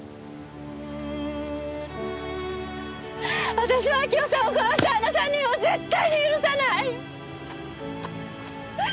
私は明夫さんを殺したあの３人を絶対に許さない！